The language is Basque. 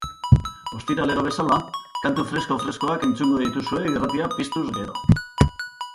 Ostiralero bezala, kantu fresko-freskoak entzungo dituzue irratia piztuz gero.